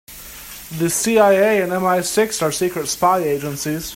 The CIA and MI-Six are secret spy agencies.